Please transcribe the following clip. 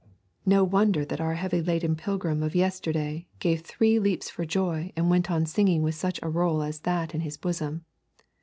No wonder that our heavy laden pilgrim of yesterday gave three leaps for joy and went on singing with such a roll as that in his bosom.